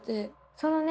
そのね